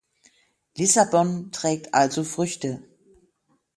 Lissabon trägt also Früchte.